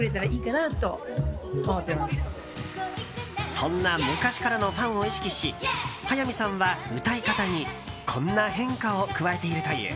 そんな昔からのファンを意識し早見さんは歌い方にこんな変化を加えているという。